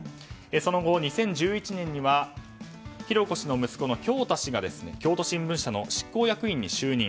その後、２０１１年には浩子氏の息子の京大氏が京都新聞社の執行役員に就任。